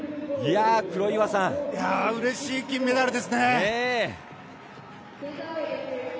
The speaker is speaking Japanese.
うれしい金メダルですね。